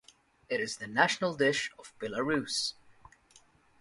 It is the national dish of Belarus.